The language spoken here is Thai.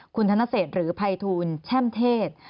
คุณธนเศษหรือภัยทูลแช่มเทศ